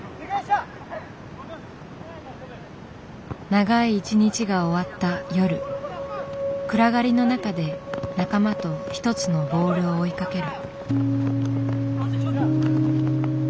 長い一日が終わった夜暗がりの中で仲間と一つのボールを追いかける。